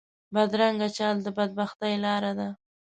بدرنګه چال د بد بختۍ لاره ده